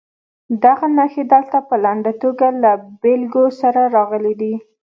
دغه نښې دلته په لنډه توګه له بېلګو سره راغلي دي.